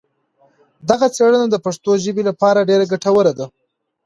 دغه څېړنه د پښتو ژبې لپاره ډېره ګټوره ده.